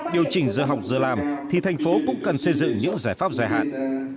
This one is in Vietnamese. điều chỉnh giờ học giờ làm thì thành phố cũng cần xây dựng những giải pháp dài hạn